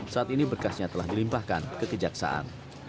saat ini bekasnya telah dilimpahkan kekejaksaan